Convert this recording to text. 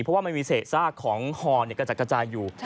เพราะว่ามันมีเศษซากของฮอกระจัดกระจายอยู่